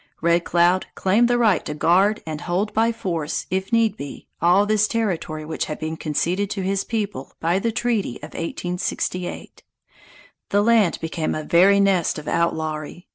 Red Cloud claimed the right to guard and hold by force, if need be, all this territory which had been conceded to his people by the treaty of 1868. The land became a very nest of outlawry.